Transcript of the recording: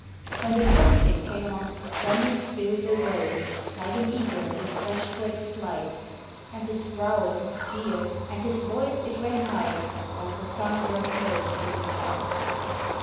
When the conflict came on, then his spirit arose like an eagle refreshed for its flight; And his brow it was clear, and his voice it rang high, like the thunderer first in the fight.